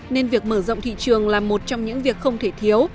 nên việc mở rộng thị trường là một trong những việc không thể thiếu